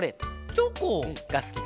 チョコ！がすきかな。